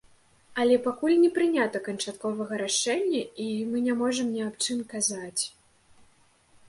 Але пакуль не прынята канчатковага рашэння, і мы не можам ні аб чым казаць.